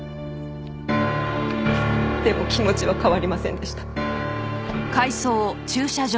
でも気持ちは変わりませんでした。